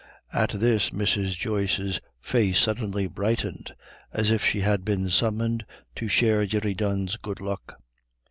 At this Mrs. Joyce's face suddenly brightened, as if she had been summoned to share Jerry Dunne's good luck.